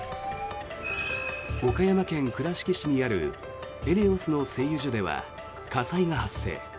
岡山県倉敷市にあるＥＮＥＯＳの製油所では火災が発生。